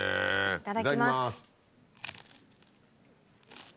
いただきます。